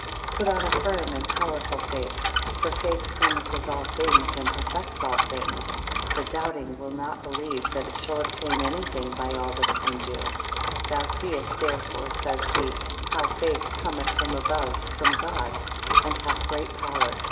Put on a firm and powerful faith: for faith promises all things and perfects all things. But doubting will not believe that it shall obtain any thing by all that it can do. 10. Thou seest therefore, says he, how faith cometh from above from God; and hath great power.